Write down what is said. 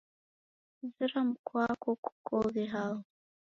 Zera mkwako kokoghe hao